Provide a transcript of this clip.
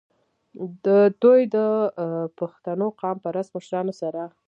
د دوي د پښتنو قام پرست مشرانو سره